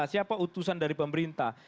siapa utusan dari pemerintah